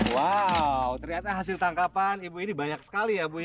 wow ternyata hasil tangkapan ibu ini banyak sekali ya bu ya